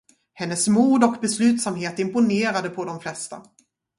Hennes mod och beslutsamhet imponerade på de flesta.